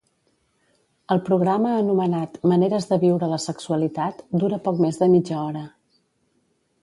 El programa anomenat Maneres de viure la sexualitat dura poc més de mitja hora.